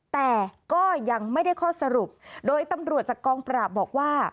แต่ก็ยังไม่ได้ข้อสรุปโดยตำรวจจากกองปราบบอกว่า